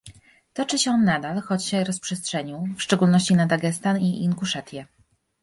Toczy się on nadal, choć się rozprzestrzenił, w szczególności na Dagestan i Inguszetię